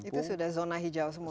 itu sudah zona hijau semua